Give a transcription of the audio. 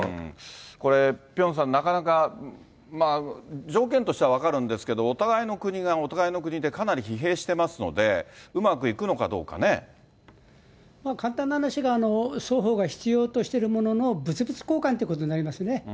これ、ピョンさん、なかなか条件としては分かるんですけど、お互いの国がお互いの国でかなり疲弊してますので、うまくいくの簡単な話が、双方が必要としてるものの物々交換ということになりますね。